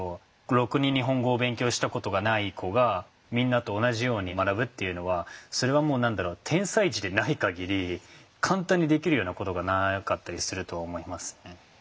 ろくに日本語を勉強したことがない子がみんなと同じように学ぶっていうのはそれはもう何だろう天才児でない限り簡単にできるようなことがなかったりすると思いますね。